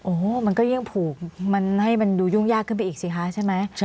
โอ้โหมันก็ยิ่งผูกมันให้มันดูยุ่งยากขึ้นไปอีกสิคะใช่ไหม